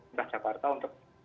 masyarakat jakarta untuk